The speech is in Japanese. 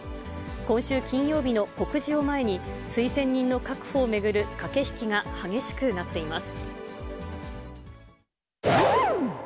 今週金曜日の告示を前に、推薦人の確保を巡る駆け引きが激しくなっています。